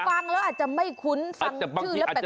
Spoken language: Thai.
ฟังแล้วอาจจะไม่คุ้นฟังชื่อแล้วแปลก